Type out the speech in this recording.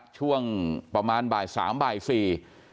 ช่วงประมาณบ่ายสามบ่ายสี่